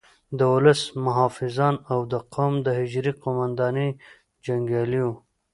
د ولس محافظان او د قوم د حجرې قوماندې جنګیالي وو.